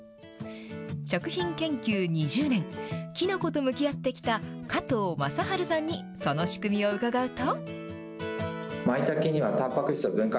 食品研究２０年、きのこと向き合ってきた加藤真晴さんにその仕組みを伺うと。